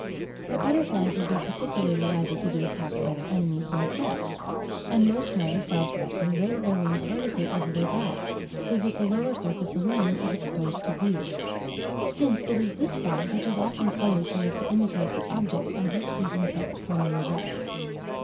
But butterflies would be particularly liable to be attacked by their enemies when at rest; and most kinds whilst resting raise their wings vertically over their backs, so that the lower surface alone is exposed to view. Hence it is this side which is often coloured so as to imitate the objects on which these insects commonly rest.